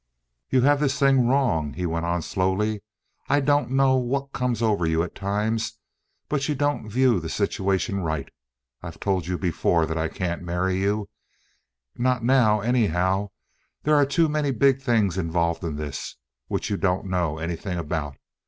"You have this thing wrong," he went on slowly. "I don't know what comes over you at times, but you don't view the situation right. I've told you before that I can't marry you—not now, anyhow. There are too many big things involved in this, which you don't know anything about.